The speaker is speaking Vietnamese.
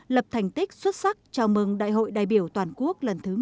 lập thành tích xuất sắc chào mừng đại hội đại biểu toàn quốc lần thứ một mươi ba